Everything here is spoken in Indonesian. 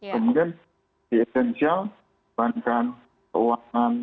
kemudian di esensial bahankan keuangan